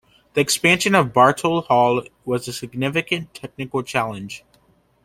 The expansion of Bartle Hall was a significant technical challenge.